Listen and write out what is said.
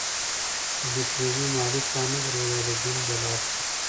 لفروی مالي توان نه درلود او له جین جلا شو.